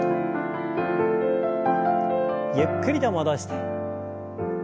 ゆっくりと戻して。